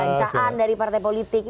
atau bantuan dari partai politik